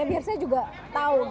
biar saya juga tahu